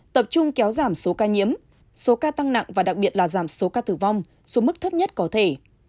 tập trung kéo giảm số ca nhiễm số ca tăng nặng và đặc biệt là giảm số ca tử vong xuống mức thấp nhất có thể